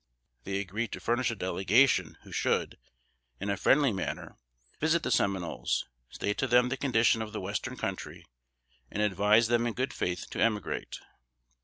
They agreed to furnish a delegation who should, in a friendly manner, visit the Seminoles, state to them the condition of the Western Country, and advise them in good faith to emigrate.